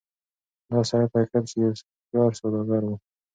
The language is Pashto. دا سړی په حقيقت کې يو هوښيار سوداګر و.